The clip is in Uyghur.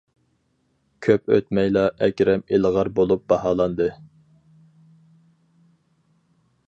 كۆپ ئۆتمەيلا ئەكرەم ئىلغار بولۇپ باھالاندى.